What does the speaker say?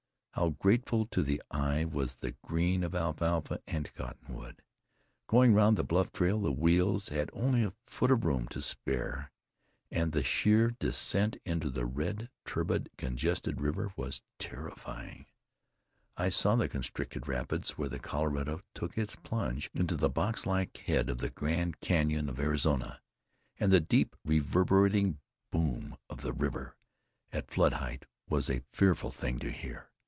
How grateful to the eye was the green of alfalfa and cottonwood! Going round the bluff trail, the wheels had only a foot of room to spare; and the sheer descent into the red, turbid, congested river was terrifying. I saw the constricted rapids, where the Colorado took its plunge into the box like head of the Grand Canyon of Arizona; and the deep, reverberating boom of the river, at flood height, was a fearful thing to hear.